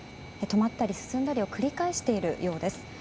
止まったり進んだりを繰り返しているようです。